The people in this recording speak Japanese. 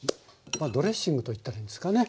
まあドレッシングと言ったらいいんですかね。